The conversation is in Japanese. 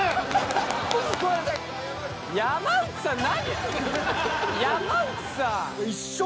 山内さん。